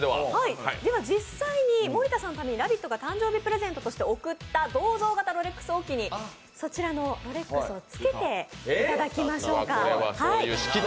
実際に森田さんのために番踏みが誕生日プレゼントとして贈った銅像型のロレックス置きにそちらのロレックスをつけていただきましょうか。